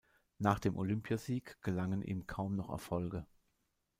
Nach dem Olympiasieg gelangen ihm kaum noch Erfolge.